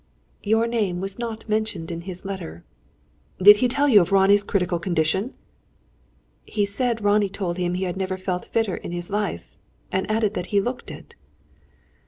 "Your name was not mentioned in his letter." "Did he tell you of Ronnie's critical condition?" "He said Ronnie told him he had never felt fitter in his life, and added that he looked it."